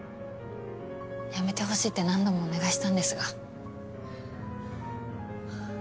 やめてほしいって何度もお願いしたんですが。